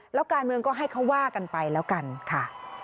แล้วการเมืองก็ให้เขาว่ากันไปแล้วกันค่ะ